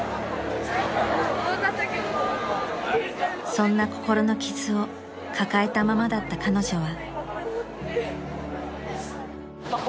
［そんな心の傷を抱えたままだった彼女は］